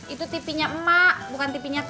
itu tipinya emak bukan tipinya tati